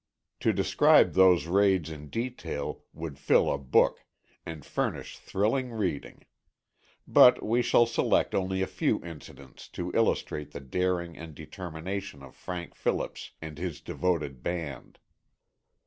To describe those raids in detail would fill a book and furnish thrilling reading. But we shall select only a few incidents to illustrate the daring and determination of Frank Phillips and his devoted band.